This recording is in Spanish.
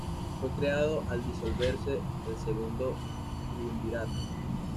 Fue creado al disolverse el Segundo Triunvirato.